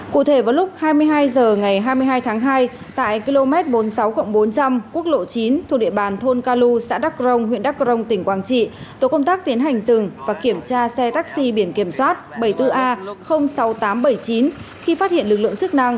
cụ thể vào lúc hai mươi hai h ngày hai mươi hai tháng hai tại km bốn mươi sáu bốn trăm linh quốc lộ chín thuộc địa bàn thôn ca lu xã đắc rông huyện đắc rông tỉnh quảng trị tổ công tác tiến hành dừng và kiểm tra xe taxi biển kiểm soát bảy mươi bốn a sáu nghìn tám trăm bảy mươi chín